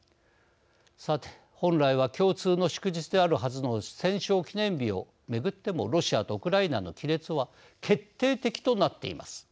さて本来は共通の祝日であるはずの戦勝記念日を巡ってもロシアとウクライナの亀裂は決定的となっています。